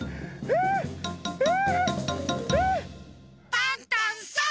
パンタンさん！